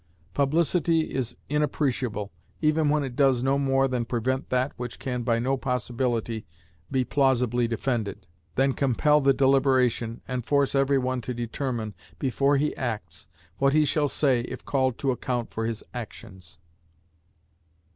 Publicity is inappreciable, even when it does no more than prevent that which can by no possibility be plausibly defended than compel deliberation, and force every one to determine, before he acts, what he shall say if called to account for his actions.